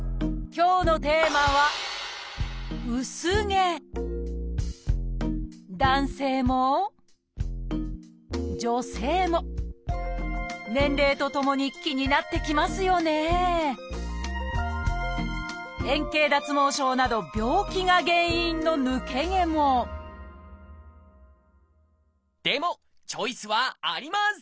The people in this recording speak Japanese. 今日のテーマは男性も女性も年齢とともに気になってきますよね？など病気が原因の抜け毛もでもチョイスはあります！